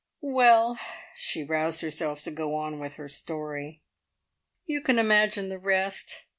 "Well," she roused herself to go on with her story "you can imagine the rest.